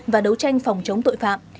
và đấu tranh phòng chống tội phạm